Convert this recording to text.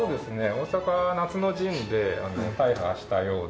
大坂夏の陣で大破したようで。